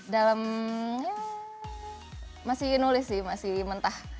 dalam masih nulis sih masih mentah